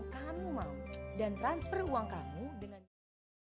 terus sampai sekarang itu masih berlaku